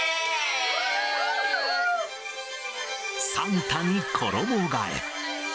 サンタに衣がえ。